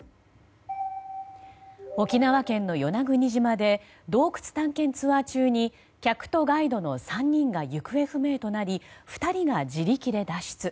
沖縄県の与那国島で洞窟探検ツアー中に客とガイドの３人が行方不明となり２人が自力で脱出。